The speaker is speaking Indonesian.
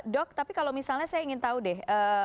dok tapi kalau misalnya saya ingin tahu deh